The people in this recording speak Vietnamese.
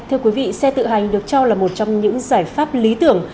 theo quý vị xe tự hành được cho là một trong những giải pháp lý tính